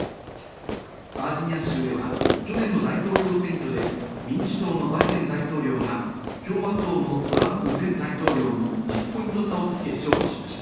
バージニア州では去年の大統領選挙で、民主党のバイデン大統領が共和党のトランプ前大統領に１０ポイント差をつけ勝利しました。